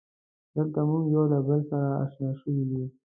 دلته مونږ یو له بله سره اشنا شوي یو.